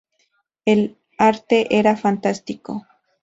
El arte era fantástico.